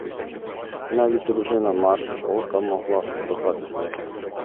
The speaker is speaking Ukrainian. Навіть дружина маршалка могла закохатися в нього!